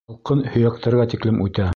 Һалҡын һөйәктәргә тиклем үтә.